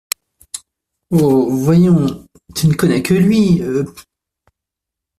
Oh ! voyons… tu ne connais que lui… euh…